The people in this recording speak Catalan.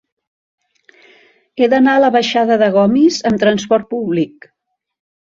He d'anar a la baixada de Gomis amb trasport públic.